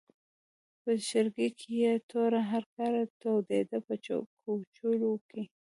په چرګۍ کې یې توره هرکاره تودېده په کوچو کې.